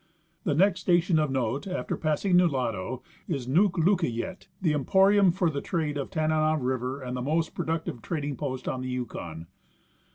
The next station of note after passing Nulato is Nuklukayet, the emporium for the trade of Tanana river and the most productive trading post On the Yukon.